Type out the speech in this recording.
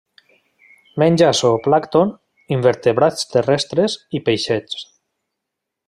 Menja zooplàncton, invertebrats terrestres i peixets.